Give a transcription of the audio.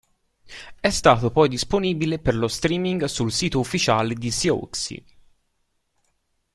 È stato poi disponibile per lo streaming sul sito ufficiale di Siouxsie.